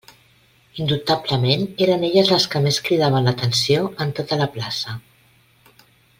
Indubtablement eren elles les que més cridaven l'atenció en tota la plaça.